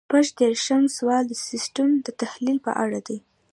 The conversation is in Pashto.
شپږ دېرشم سوال د سیسټم د تحلیل په اړه دی.